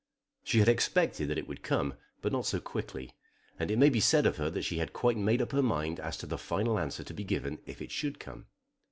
She had expected that it would come, but not so quickly; and it may be said of her that she had quite made up her mind as to the final answer to be given if it should come.